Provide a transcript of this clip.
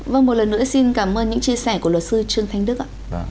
vâng một lần nữa xin cảm ơn những chia sẻ của luật sư trương thanh đức ạ